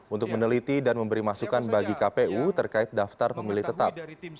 untuk meneliti dan memberi masukan bagi kpu terkait daftar pemilih tetap